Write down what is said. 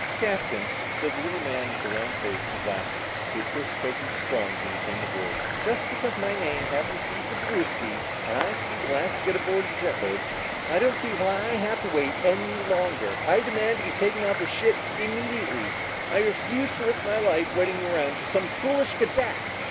"Captain," said the little man with the round face and glasses who had first spoken to Strong when he came aboard, "just because my name happens to be Zewbriski, and I have to be the very last to get on a jet boat, I don't see why I have to wait any longer. I demand to be taken off this ship immediately! I refuse to risk my life waiting around for some foolish cadet!"